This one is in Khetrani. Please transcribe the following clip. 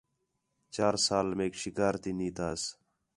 چار سال میک شِکار تی نی تاس